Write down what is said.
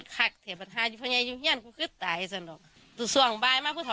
กลับไปอีกเมื่อเมื่อยกรด